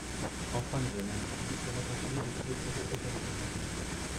Enfin, les analyses publiques permettent un suivi de tous les projets open source référencés.